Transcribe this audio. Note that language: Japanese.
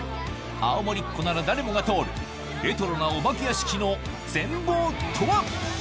青森っ子なら誰もが通るレトロなお化け屋敷の全貌とは？